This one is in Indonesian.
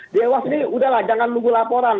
dewas ini udahlah jangan nunggu laporan